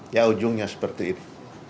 ya ujungnya seperti ini